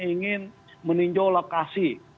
ingin meninjau lokasi